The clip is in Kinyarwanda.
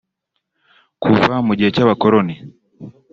Kuva mu gihe cy’Abakoloni